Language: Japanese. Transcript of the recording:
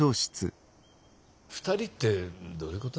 ２人ってどういうこと？